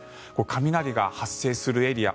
雷が発生するエリア